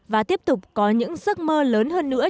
và tiếp tục có những giấc mơ lớn hơn nữa